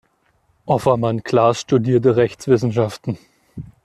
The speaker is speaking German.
Offermann-Clas studierte Rechtswissenschaften.